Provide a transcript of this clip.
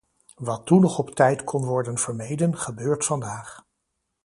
Wat toen nog op tijd kon worden vermeden, gebeurt vandaag.